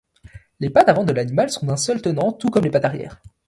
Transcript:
Les pattes avant de l'animal sont d'un seul tenant, tout comme les pattes arrière.